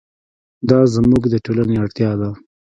دا زموږ د ټولنې اړتیا ده.